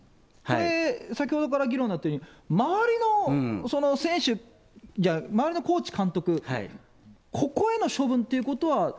これ、先ほどから議論になってるように、周りのその選手、じゃあ、周りのコーチ、監督、ここへの処分ということは。